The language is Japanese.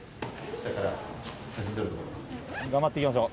頑張っていきましょう。